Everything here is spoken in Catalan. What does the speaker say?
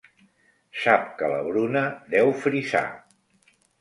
Sap que la Bruna deu frisar.